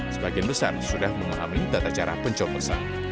sebagian besar sudah mengalami data cara pencobosan